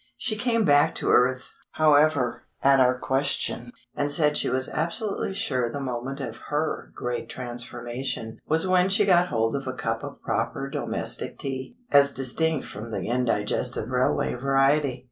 She came back to earth, however, at our question, and said she was absolutely sure the moment of her great transformation was when she got hold of a cup of proper domestic tea, as distinct from the indigestive railway variety.